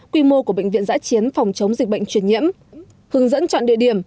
quy mô của bệnh viện giã chiến phòng chống dịch bệnh truyền nhiễm hướng dẫn chọn địa điểm